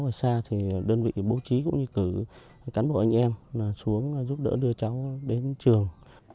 ngoài ra đơn vị bố trí cũng như cả cán bộ anh em xuống giúp đỡ đưa cháu đến trường